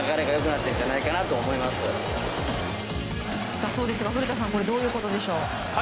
だそうですが、古田さんどういうことでしょう？